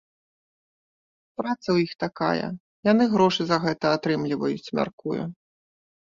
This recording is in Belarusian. Праца ў іх такая, яны грошы за гэта атрымліваюць, мяркую.